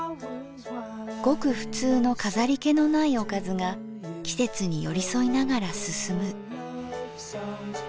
ごく普通の飾り気のないおかずが季節に寄り添いながら進む。